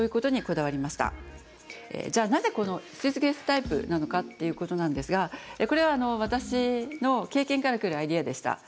じゃあなぜこのスーツケースタイプなのかっていうことなんですがこれは私の経験からくるアイデアでした。